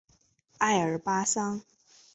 爱尔巴桑。